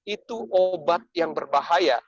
itu obat yang berbahaya